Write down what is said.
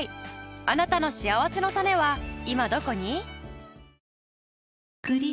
あなたのしあわせのたねは今どこに？